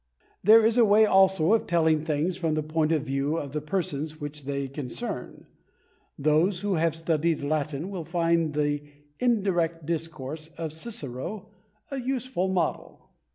There is a way also of telling things from the point of view of the persons which they concern. Those who have studied Latin will find the "indirect discourse" of Cicero a useful model.